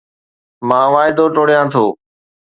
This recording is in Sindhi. مان واعدو ٽوڙيان ٿو